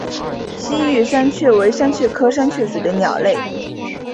西域山雀为山雀科山雀属的鸟类。